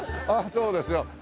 そうですか。